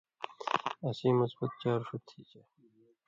اسیں مثبت چار ݜُو تھی چے